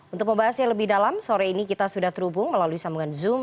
untuk membahasnya lebih dalam sore ini kita sudah terhubung melalui sambungan zoom